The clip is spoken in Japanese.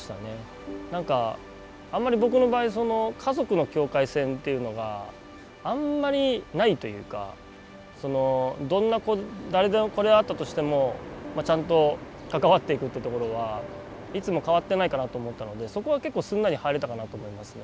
なんかあんまり僕の場合家族の境界線っていうのがあんまりないというか誰の子であったとしてもちゃんと関わっていくってところはいつも変わってないかなと思ったのでそこは結構すんなり入れたかなと思いますね。